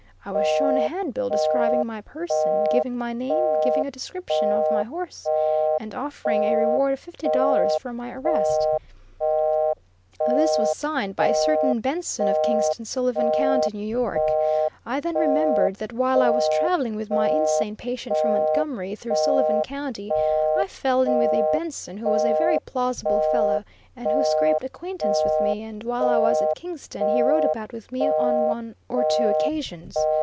I was shown a handbill describing my person, giving my name, giving a description of my horse, and offering a reward of fifty dollars for my arrest. This was signed by a certain Benson, of Kingston, Sullivan County, N.Y. I then remembered that while I was traveling with my insane patient from Montgomery through Sullivan County, I fell in with a Benson who was a very plausible fellow, and who scraped acquaintance with me, and while I was at Kingston he rode about with me on one or two occasions.